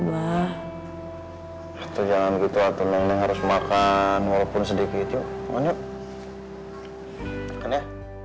bah atau jangan gitu atuh neng harus makan walaupun sedikit yuk lanjut makan ya